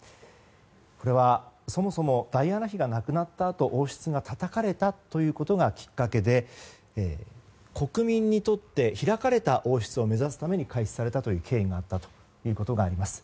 これはそもそもダイアナ妃が亡くなったあと王室がたたかれたということがきっかけでして、国民にとって開かれた王室を目指すために開始されたという経緯があったということです。